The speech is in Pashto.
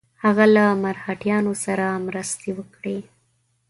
هغه له مرهټیانو سره مرستې وکړي.